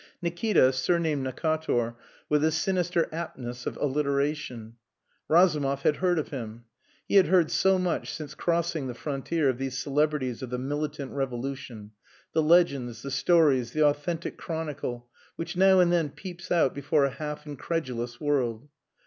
Nikita, surnamed Necator, with a sinister aptness of alliteration! Razumov had heard of him. He had heard so much since crossing the frontier of these celebrities of the militant revolution; the legends, the stories, the authentic chronicle, which now and then peeps out before a half incredulous world.